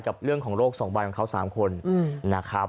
กับเรื่องของโรค๒ใบของเขา๓คนนะครับ